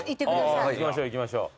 いきましょういきましょう。